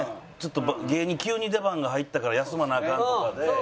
芸人急に出番が入ったから休まなアカンとかで。